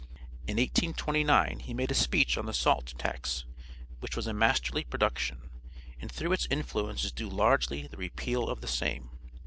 In 1829 he made a speech on the salt tax, which was a masterly production, and through its influence is due largely the repeal of the same.